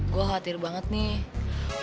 gua khatir banget nih